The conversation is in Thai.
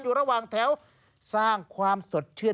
อยู่ระหว่างแถวสร้างความสดชื่น